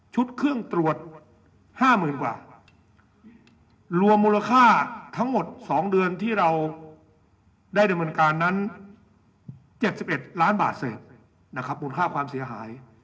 เครื่องตรวจ๕๐๐๐กว่ารวมมูลค่าทั้งหมด๒เดือนที่เราได้ดำเนินการนั้น๗๑ล้านบาทเศษนะครับมูลค่าความเสียหาย